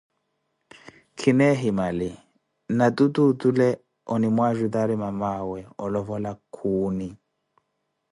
Khina ehimali, natutu otule onimwaajutari mamaawe olovola khuuni